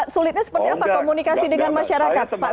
sulitnya seperti apa komunikasi dengan masyarakat pak